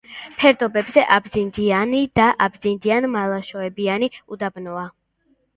ფერდობებზე აბზინდიანი და აბზინდიან-მლაშობიანი უდაბნოა.